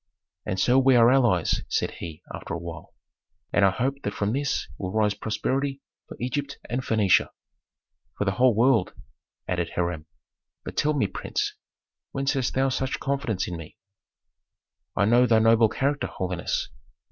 "And so we are allies," said he, after a while, "and I hope that from this will rise prosperity for Egypt and Phœnicia." "For the whole world," added Hiram. "But tell me, prince, whence hast thou such confidence in me?" "I know thy noble character, holiness.